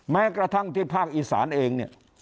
แม้กระทั่งที่ภาคอีสานเองเนี่ย